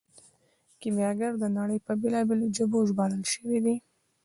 کیمیاګر د نړۍ په بیلابیلو ژبو ژباړل شوی دی.